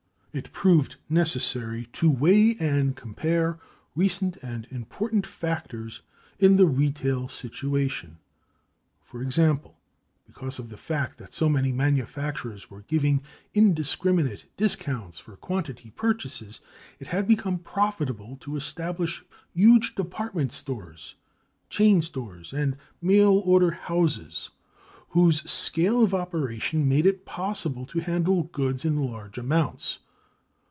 It proved necessary to weigh and compare recent and important factors in the retail situation. For example, because of the fact that so many manufacturers were giving indiscriminate discounts for quantity purchases, it had become profitable to establish huge department stores, chain stores, and mail order houses whose scale of operation made it possible to handle goods in large amounts.